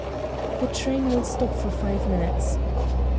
"The train will stop for five minutes."